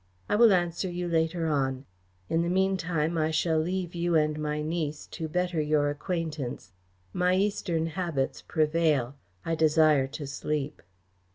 I will answer you later on. In the meantime, I shall leave you and my niece to better your acquaintance. My Eastern habits prevail. I desire to sleep."